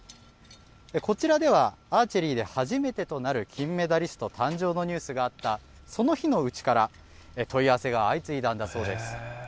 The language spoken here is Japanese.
こちらではアーチェリーで初めてとなる金メダリスト誕生のニュースがあったその日のうちから問い合わせが相次いだんだそうです。